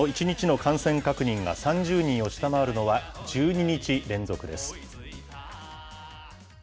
東京の一日の感染確認が３０人を下回るのは１２日連続です。